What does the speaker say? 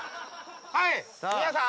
はい皆さん